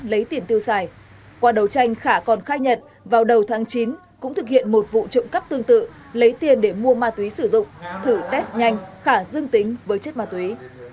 lấy tiền tiêu xài qua đầu tranh khà còn khai nhận vào đầu tháng chín cũng thực hiện một vụ trộm cắp tương tự lấy tiền để mua ma túy sử dụng thử test nhanh khà dương tính với chất ma túy